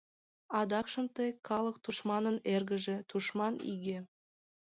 Адакшым тый — калык тушманын эргыже, тушман иге.